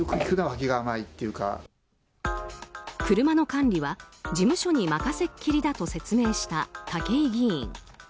車の管理は事務所に任せきりだと説明した武井議員。